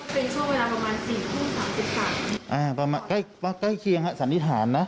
เป็นช่วงเวลาประมาณ๔ครึ่ง๓๐กรัมประมาณใกล้เกี่ยวศัตริฐานนะ